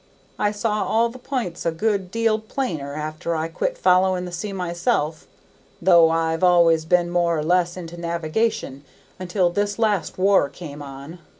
I saw all the p'ints a good deal plainer after I quit followin' the sea myself, though I've always been more or less into navigation until this last war come on.